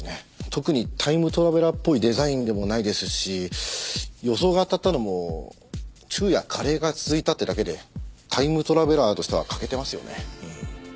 特にタイムトラベラーっぽいデザインでもないですし予想が当たったのも昼夜カレーが続いたってだけでタイムトラベラーとしては欠けてますよね。